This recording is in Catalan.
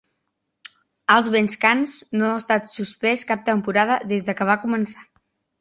Allsvenskan no ha estat suspès cap temporada des que va començar.